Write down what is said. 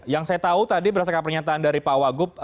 yang saya tahu tadi berdasarkan pernyataan dari pak wagub